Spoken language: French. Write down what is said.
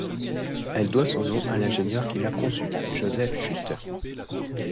Elle doit son nom à l'ingénieur qui l'a conçue: Joseph Schuster.